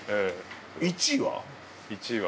１位は？